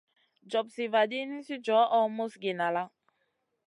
Jopsiy vaɗi, nisi johʼo musgi nala.